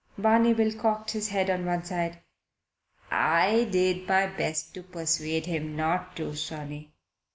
Barney Bill cocked his head on one side. "I did my best to persuade him not to, sonny."